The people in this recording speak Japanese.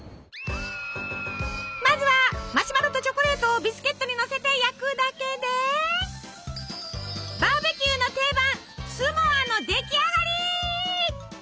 まずはマシュマロとチョコレートをビスケットにのせて焼くだけでバーベキューの定番スモアの出来上がり！